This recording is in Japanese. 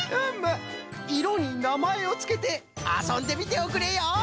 いろになまえをつけてあそんでみておくれよ！